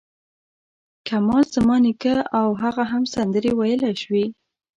کمال زما نیکه و او هغه هم سندرې ویلای شوې.